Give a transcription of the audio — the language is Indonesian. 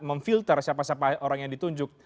memfilter siapa siapa orang yang ditunjuk